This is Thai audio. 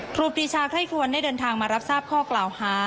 ครูปีชาไคร่คลวนได้เดินทางมารับทราบข้อกล่าวหา